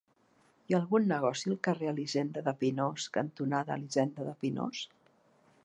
Hi ha algun negoci al carrer Elisenda de Pinós cantonada Elisenda de Pinós?